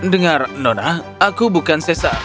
dengar nona aku bukan sesa